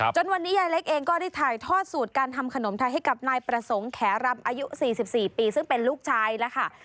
จนวันนี้ยายเล็กเองก็ได้ถ่ายทอดสูตรการทำขนมไทยให้กับนายประสงค์แขรำอายุ๔๔ปีซึ่งเป็นลูกชายแล้วค่ะ